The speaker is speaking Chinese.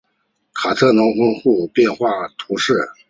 卡特农人口变化图示